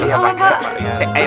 maaf pak ya